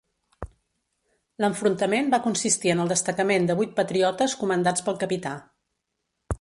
L'enfrontament va consistir en el destacament de vuit patriotes comandats pel capità